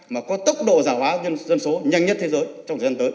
mà có tốc độ giả hóa dân số nhanh nhất thế giới trong thời gian tới